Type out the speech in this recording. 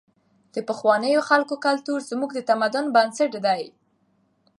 د پخوانیو خلکو کلتور زموږ د تمدن بنسټ دی.